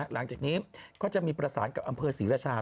หลังจากนี้ก็จะมีประสานกับอำเภอศรีราชา